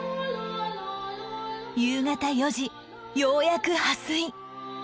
夕方４時ようやく破水